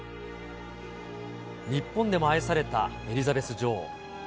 日本でも愛されたエリザベス女王。